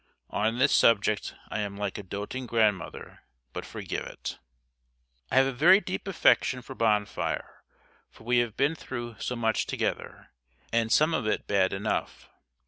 On this subject I am like a doting grandmother, but forgive it. I have a very deep affection for Bonfire, for we have been through so much together, and some of it bad enough.